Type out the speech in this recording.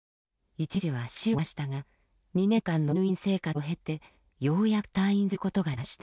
一時は死をも覚悟しましたが２年間の入院生活を経てようやく退院することができました。